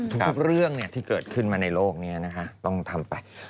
ทุกเรื่องที่เกิดขึ้นมาในโลกนี้ต้องทำไป